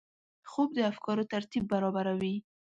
خوب د افکارو ترتیب برابروي